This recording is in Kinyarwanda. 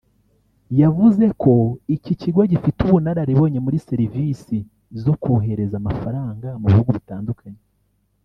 yavuze ko iki kigo gifite ubunararibonye muri serivisi zo kohereza amafaranga mu bihugu bitandukanye